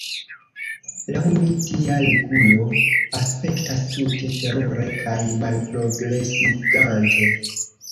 Laŭ mi tia regulo aspektas tute terure kaj malprogresigante.